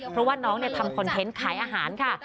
เพราะว่าน้องทำคอนเทนต์ขายอาหารค่ะ